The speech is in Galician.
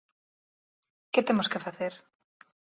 ¿Que temos que facer?